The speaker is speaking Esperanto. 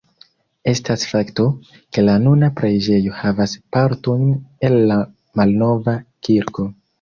Estas fakto, ke la nuna preĝejo havas partojn el la malnova kirko.